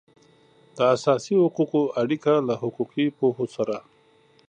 د اساسي حقوقو اړیکه له حقوقي پوهو سره